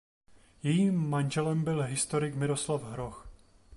Jejím manželem byl historik Miroslav Hroch.